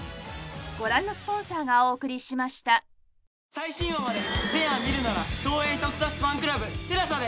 最新話まで全話見るなら東映特撮ファンクラブＴＥＬＡＳＡで。